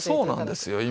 そうなんですよ。